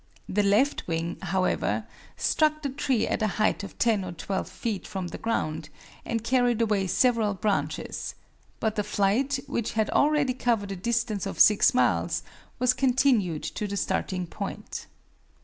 The left wing, however, struck the tree at a height of 10 or 12 feet from the ground and carried away several branches; but the flight, which had already covered a distance of six miles, was continued to the starting point.